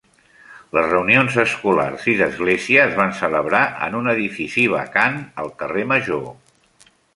Les reunions escolars i d'església es van celebrar en un edifici vacant al carrer Major.